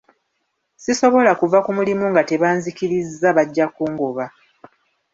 Sisobola kuva ku mulimu nga tebanzikirizza bajja kungoba.